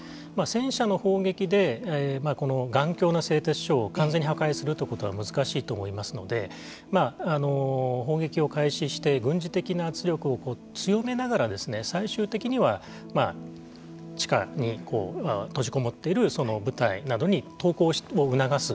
戦車の砲撃で頑強な製鉄所を完全に破壊するということは難しいと思いますので砲撃を開始して軍事的な圧力を強めながら最終的には、地下に閉じこもっている部隊などに投降を促す